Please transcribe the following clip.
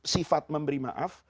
sifat memberi maaf